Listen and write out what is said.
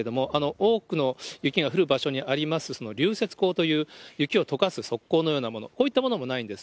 多くの雪が降る場所にあります、流雪溝という雪をとかす側溝のようなもの、こういったものもないんです。